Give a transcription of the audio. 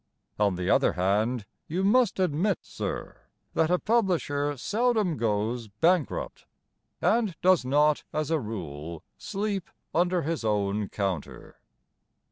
On the other hand, You must admit, sir, That a publisher seldom goes bankrupt, And does not as a rule sleep Under his own counter.